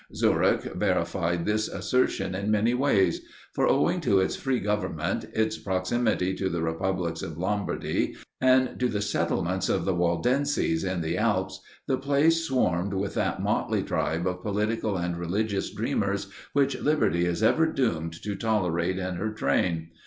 Zurich verified this assertion in many ways; for, owing to its free government, its proximity to the republics of Lombardy, and to the settlements of the Waldenses in the Alps, the place swarmed with that motley tribe of political and religious dreamers which Liberty is ever doomed to tolerate in her train.